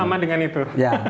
sama dengan itu